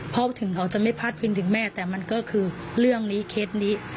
เพราะถึงเขาจะไม่พลาดพิงถึงแม่แต่มันก็คือเรื่องนี้เคสนี้